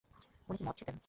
উনি কি মদ খেতেন?